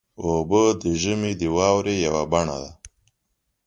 اوبه د ژمي د واورې یوه بڼه ده.